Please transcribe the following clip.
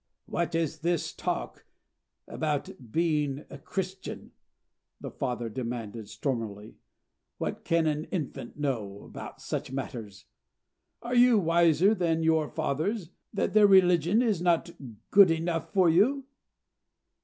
"What is this talk about being a Christian?" the father demanded stormily. "What can an infant know about such matters? Are you wiser than your fathers, that their religion is not good enough for you?"